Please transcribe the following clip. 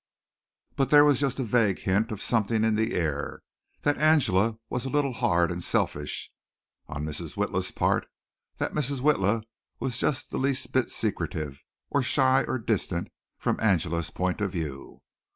But there was just a vague hint of something in the air that Angela was a little hard and selfish, on Mrs. Witla's part; that Mrs. Witla was just the least bit secretive, or shy or distant from Angela's point of view.